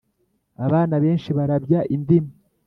Abana benshi barabya indimi.